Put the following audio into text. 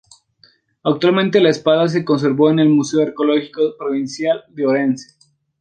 Actualmente, la espada se conserva en el Museo Arqueológico Provincial de Orense.